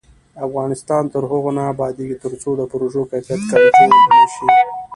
افغانستان تر هغو نه ابادیږي، ترڅو د پروژو کیفیت کنټرول نشي.